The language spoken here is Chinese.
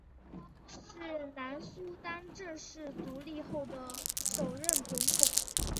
是南苏丹正式独立后的首任总统。